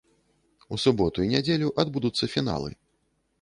У суботу і нядзелю адбудуцца фіналы.